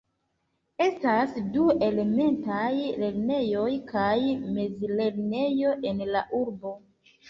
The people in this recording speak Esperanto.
Estas du elementaj lernejoj kaj mezlernejo en la urbo.